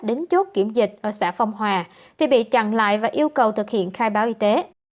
đến chốt kiểm dịch ở xã phong hòa thì bị chặn lại và yêu cầu thực hiện khai báo y tế